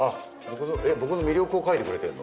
僕の魅力を書いてくれてんの？